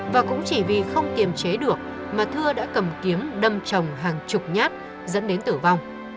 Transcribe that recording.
và cũng chỉ vì không kiềm chế được mà thưa đã cầm kiếm đâm chồng hàng chục nhát dẫn đến tử vong